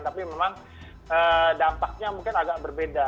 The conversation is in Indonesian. tapi memang dampaknya mungkin agak berbeda